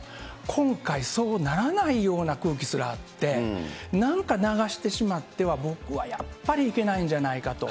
今回、そうならないような空気すらあって、なんか流してしまっては、僕はやっぱりいけないんじゃないかと。